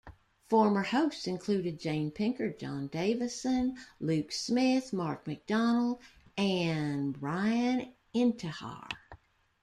Former hosts included Jane Pinckard, John Davison, Luke Smith, Mark MacDonald and Bryan Intihar.